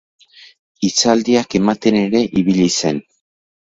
Hitzaldiak ematen ere ibili zen.